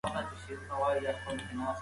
کیو ډله ټکنالوجۍ ته مخه کړه.